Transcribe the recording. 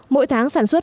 mỗi tháng sản xuất